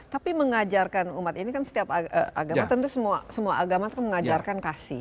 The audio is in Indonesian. tapi mengajarkan umat ini kan setiap agama tentu semua agama itu mengajarkan kasih